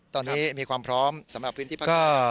ตอนนี้มีความพร้อมสำหรับพื้นที่ภาคใต้